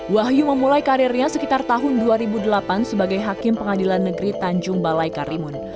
wahyu memulai karirnya sekitar tahun dua ribu delapan sebagai hakim pengadilan negeri tanjung balai karimun